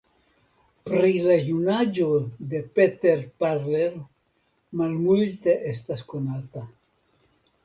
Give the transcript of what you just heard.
Pri la junaĝo de Peter Parler malmulte estas konata.